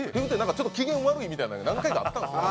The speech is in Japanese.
ちょっと機嫌悪いみたいなのが何回かあったんですよ。